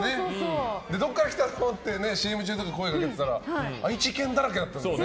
どこから来たの？ってＣＭ中とかに声掛けてたら愛知県だらけだったんだよね。